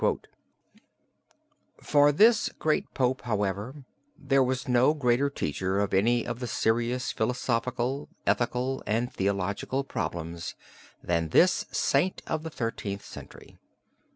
For this great Pope, however, there was no greater teacher of any of the serious philosophical, ethical and theological problems than this Saint of the Thirteenth Century.